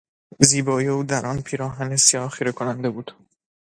زیبایی او در آن پیراهن سیاه خیرهکننده بود.